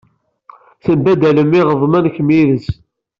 Tembaddalem iɣeḍmen kemm yid-s.